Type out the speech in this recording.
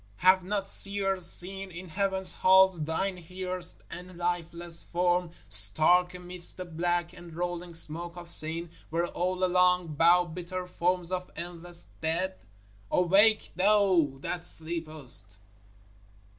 Have not seers seen in Heaven's halls Thine hearsed and lifeless form stark amidst the black and rolling smoke of sin, where all along bow bitter forms of endless dead? _Awake, Thou that sleepest!